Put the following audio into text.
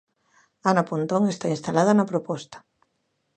Ana Pontón está instalada na proposta.